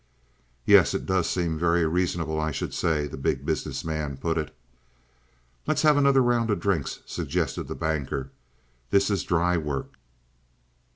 "Yet it does seem very reasonable, I should say," the Big Business Man put in. "Let's have another round of drinks," suggested the Banker "this is dry work!"